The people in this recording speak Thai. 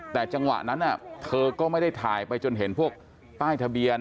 แต่จังหวะนั้นเธอก็ไม่ได้ถ่ายไปจนเห็นพวกป้ายทะเบียน